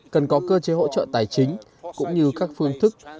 cần có cơ chế hỗ trợ tài chính cũng như các phương thức